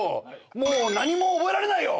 もう何も覚えられないよ。